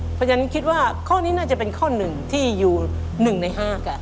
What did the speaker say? เพราะฉะนั้นคิดว่าข้อนี้น่าจะเป็นข้อหนึ่งที่อยู่๑ใน๕กัน